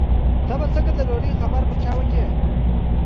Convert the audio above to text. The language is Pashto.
ته به څنګه د ډوډۍ خیر پر چا وکړې.